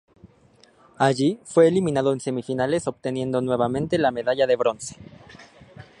Allí, fue eliminado en semifinales obteniendo nuevamente la medalla de bronce.